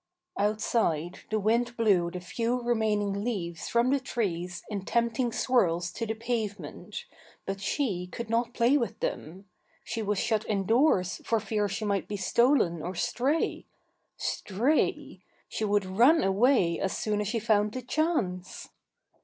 Outside the wind blew the few remaining leaves from the trees in tempting swirls to the pavement, but she could not play with them. She was shut indoors for fear she might be stolen or stray! Stray! She would run away as soon as she found the chance!